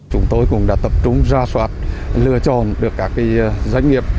chúng tôi cũng đã tập trung ra soát lựa chọn được các doanh nghiệp